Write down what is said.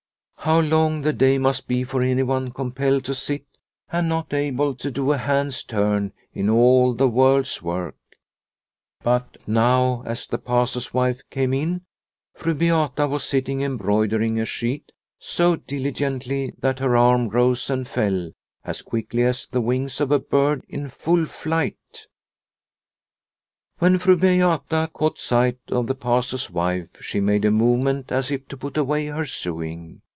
How long the day must be for anyone com pelled to sit and not able to do a hand's turn in all the world's work ! But now, as the Pastor's wife came in, Fru Beata was sitting embroidering a sheet so diligently that her arm rose and fell as quickly as the wings of a bird in full flight. When Fru Beata caught sight of the Pastor's wife she made a movement as if to put away her sewing.